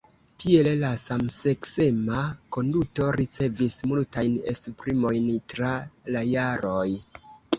Tiel la samseksema konduto ricevis multajn esprimojn tra la jaroj.